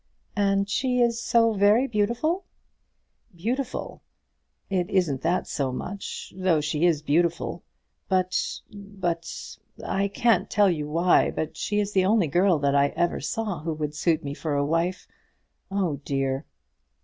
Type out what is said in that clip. "And she is so very beautiful?" "Beautiful! It isn't that so much; though she is beautiful. But, but, I can't tell you why, but she is the only girl that I ever saw who would suit me for a wife. Oh, dear!"